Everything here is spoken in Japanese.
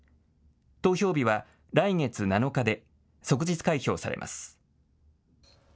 投票日は来月７日で即日開票されます。